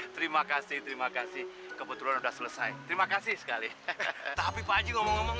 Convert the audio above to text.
terima kasih terima kasih kebetulan sudah selesai terima kasih sekali tapi pak haji ngomong ngomong